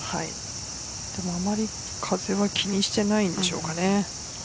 でも、あまり風は気にしていないんでしょうかね。